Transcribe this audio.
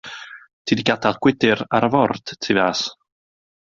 Ti 'di gadel gwydr ar y ford tu fas.